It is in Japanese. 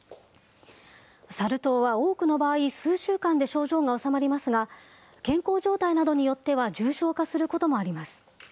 サル痘は多くの場合、数週間で症状がおさまりますが、健康状態などによっては重症化することもあります。